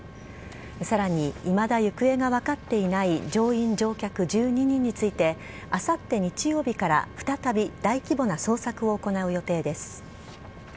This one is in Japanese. さらにいまだ行方が分かっていない乗員乗客１２人についてあさって日曜日から再び大規模な捜索を行う予定です。